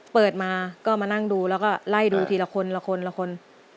เปิดมาก็มานั่งดูแล้วก็ไล่ดูทีละคนละคนละคน